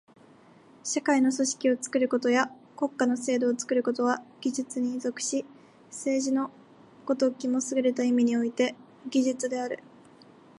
社会の組織を作ることや国家の制度を作ることは技術に属し、政治の如きもすぐれた意味において技術である。